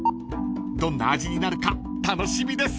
［どんな味になるか楽しみです］